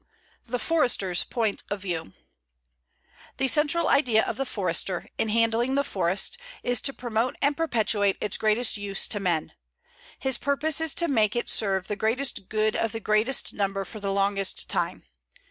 THE FORESTER'S POINT OF VIEW The central idea of the Forester, in handling the forest, is to promote and perpetuate its greatest use to men. His purpose is to make it serve the greatest good of the greatest number for the longest time.